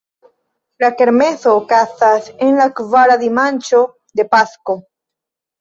Kermeso okazas en la kvara dimanĉo de Pasko.